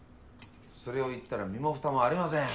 それを言ったら身も蓋もありません。